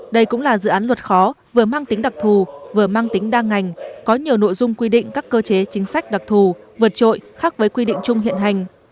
đây cũng là dự án luật khó vừa mang tính đặc thù vừa mang tính đa ngành có nhiều nội dung quy định các cơ chế chính sách đặc thù vượt trội khác với quy định chung hiện hành